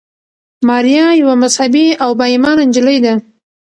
ماریا یوه مذهبي او با ایمانه نجلۍ ده.